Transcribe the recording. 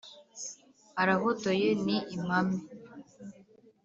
arahotoye ni impame